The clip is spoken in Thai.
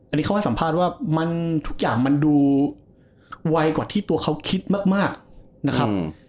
อันนี้เขาให้สัมภาษณ์ว่ามันทุกอย่างมันดูไวกว่าที่ตัวเขาคิดมากนะครับ